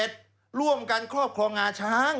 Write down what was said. ร่วมกันครอบครองงาช้าง